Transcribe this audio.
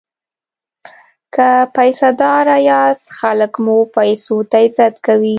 که پیسه داره یاست خلک مو پیسو ته عزت کوي.